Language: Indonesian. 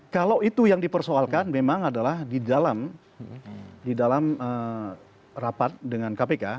kalau itu yang dipersoalkan memang adalah di dalam rapat dengan kpk